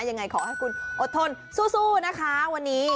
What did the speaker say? ยังไงขอให้คุณอดทนสู้นะคะวันนี้